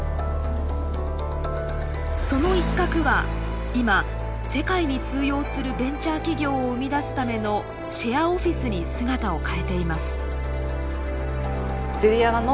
その一角は今世界に通用するベンチャー企業を生み出すためのシェアオフィスに姿を変えています。